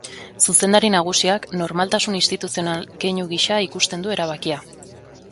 Zuzendari nagusiak normaltasun instituzional keinu gisa ikusten du erabakia.